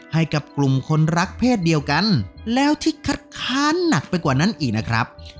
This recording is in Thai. ให้กับกลุ่มคนรักเพศเดียวกันแล้วที่คัดค้านหนักไปกว่านั้นอีกนะครับ